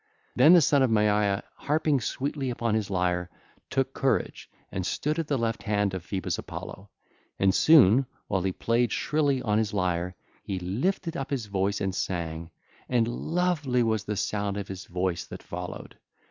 Then the son of Maia, harping sweetly upon his lyre, took courage and stood at the left hand of Phoebus Apollo; and soon, while he played shrilly on his lyre, he lifted up his voice and sang, and lovely was the sound of his voice that followed.